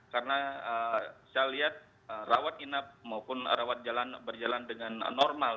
karena saya lihat rawat inap maupun rawat berjalan dengan normal